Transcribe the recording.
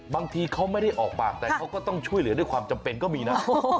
บางทีเขาไม่ได้ออกปากแต่เขาก็ต้องช่วยเหลือด้วยความจำเป็นก็มีนะ